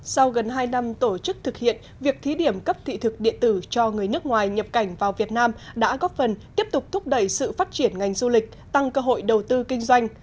sau gần hai năm tổ chức thực hiện việc thí điểm cấp thị thực điện tử cho người nước ngoài nhập cảnh vào việt nam đã góp phần tiếp tục thúc đẩy sự phát triển ngành du lịch tăng cơ hội đầu tư kinh doanh